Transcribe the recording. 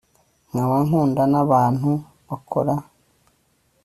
nkaba nkunda n’abantu bakora